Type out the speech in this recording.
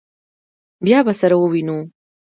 بیا به سره ووینو.